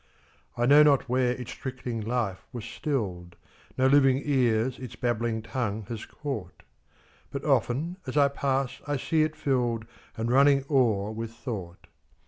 I know not where its trickling life was still'd; No living ears its babbling tongue has caught; But often, as I pass, I see it fill'dAnd running o'er with thought.